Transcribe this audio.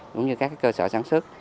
cũng như các cơ sở sản xuất